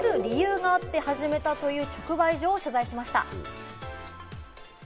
『ＤａｙＤａｙ．』はある理由があって、始めたという直売所を取材しました。